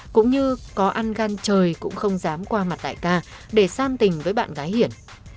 cũng như có ăn gan trời cũng không dám qua mặt tại ca để san tình với bạn gái hiển